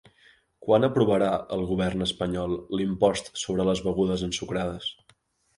Quan aprovarà el govern espanyol l'impost sobre les begudes ensucrades?